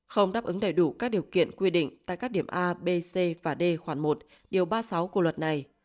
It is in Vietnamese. không đáp ứng đầy đủ các điều kiện quy định tại các điểm a b c và d khoản một điều ba mươi sáu của luật này